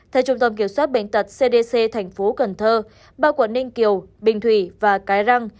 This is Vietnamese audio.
theo trung tâm kiểm soát bệnh tật cdc tp cn ba quận ninh kiều bình thủy và cái răng